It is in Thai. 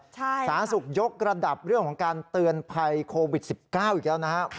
สาธารณสุขยกระดับเรื่องของการเตือนภัยโควิด๑๙อีกแล้วนะครับ